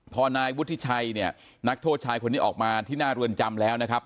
พอนายวุฒิชัยเนี่ยนักโทษชายคนนี้ออกมาที่หน้าเรือนจำแล้วนะครับ